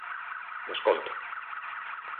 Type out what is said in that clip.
Desconto.